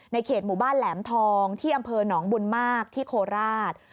เขตหมู่บ้านแหลมทองที่อำเภอหนองบุญมากที่โคราช